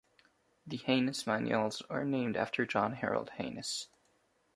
The Haynes manuals are named after John Harold Haynes.